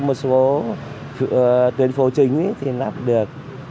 một số tuyến phố chính thì lắp được